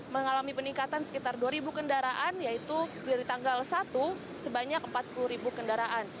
mengalami peningkatan sekitar dua kendaraan yaitu dari tanggal satu sebanyak empat puluh ribu kendaraan